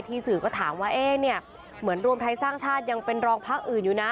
สื่อก็ถามว่าเอ๊ะเนี่ยเหมือนรวมไทยสร้างชาติยังเป็นรองพักอื่นอยู่นะ